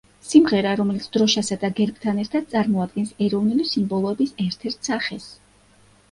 სიმღერა, რომელიც დროშასა და გერბთან ერთად წარმოადგენს ეროვნული სიმბოლოების ერთ-ერთ სახეს.